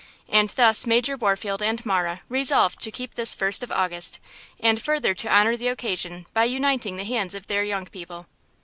And thus Major Warfield and Marah resolved to keep this first of August, and further to honor the occasion by uniting the hands of their young people.